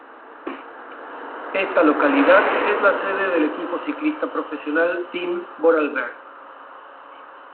Esta localidad es la sede del equipo ciclista profesional Team Vorarlberg.